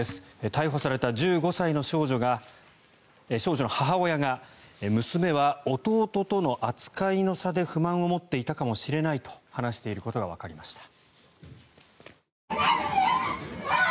逮捕された１５歳の少女の母親が娘は弟との扱いの差で不満を持っていたかもしれないと話していることがわかりました。